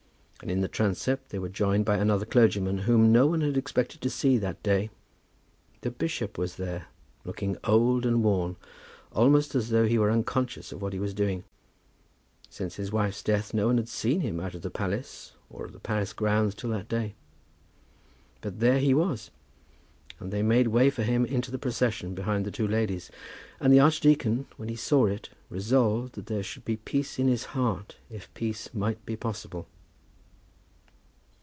And in the transept they were joined by another clergyman whom no one had expected to see that day. The bishop was there, looking old and worn, almost as though he were unconscious of what he was doing. Since his wife's death no one had seen him out of the palace or of the palace grounds till that day. But there he was, and they made way for him into the procession behind the two ladies, and the archdeacon, when he saw it, resolved that there should be peace in his heart, if peace might be possible.